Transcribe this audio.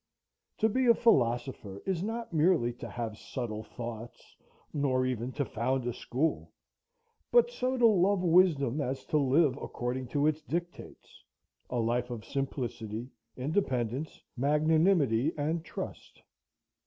To be a philosopher is not merely to have subtle thoughts, nor even to found a school, but so to love wisdom as to live according to its dictates, a life of simplicity, independence, magnanimity, and trust.